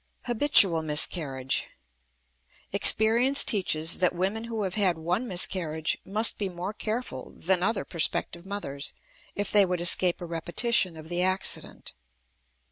HABITUAL MISCARRIAGE. Experience teaches that women who have had one miscarriage must be more careful than other prospective mothers if they would escape a repetition of the accident.